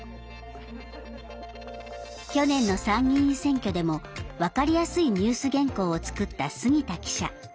去年の参議院選挙でも分かりやすいニュース原稿を作った杉田記者。